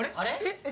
えっ？